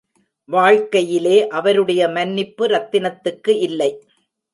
வாழ்க்கையிலே அவருடைய மன்னிப்பு ரத்தினத்துக்கு இல்லை.